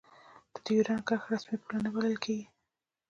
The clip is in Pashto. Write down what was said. د دیورند کرښه رسمي پوله نه بلله کېږي.